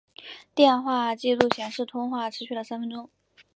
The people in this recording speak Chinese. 电话记录显示通话持续了三分钟。